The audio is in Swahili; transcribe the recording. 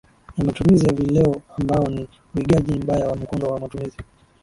ya matumizi ya vileo ambao ni uigaji mbaya wa mkondo wa matumizi